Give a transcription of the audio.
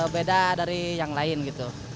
beda dari yang lain gitu